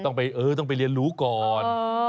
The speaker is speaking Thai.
ต้องไปเออต้องไปเรียนรู้ก่อน